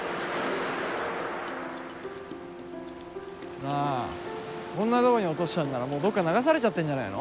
なあこんな所に落としたんならもうどっか流されちゃってんじゃねえの？